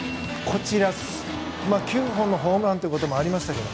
９本のホームランということもありましたけど。